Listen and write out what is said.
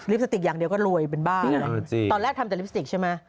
เล็บสติกอย่างเดียวก็รวยเป็นบ้านต่อแรกทำแต่ใช่มั้ย